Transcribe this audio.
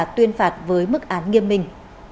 tuyên phạt với mức án nghiêm minh